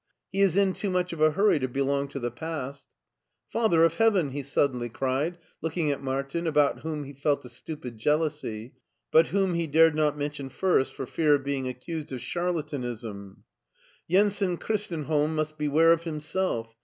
He is in too much of a hurry to belong to the past." " Father of heaven !" he suddenly cried, looking at Martin, about whom he felt a stupid jealousy, but whom he dared not mention first for fear of being accused of charlatanism ;" Jensen Christenholm must beware of himself.